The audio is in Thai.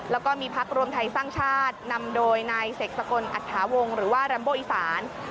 แล้วก็มีพักรวมไทยสร้างชาตินำโดยนายเสกสกลอัตถาวงหรือว่าแรมโบอีสาน